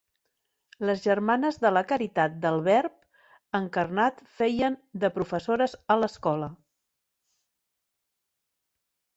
Les Germanes de la caritat del verb encarnat feien de professores a l'escola.